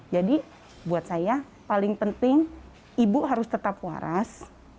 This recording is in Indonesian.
buat saya paling penting ibu harus tetap waras